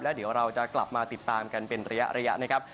เดี๋ยวเราจะกลับมาติดตามกันเป็นระยะนะครับ